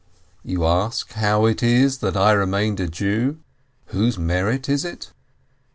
You ask how it is that I remained a Jew? Whose merit it is ?